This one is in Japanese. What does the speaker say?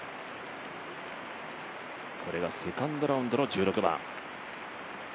これがセカンドラウンドの１６番。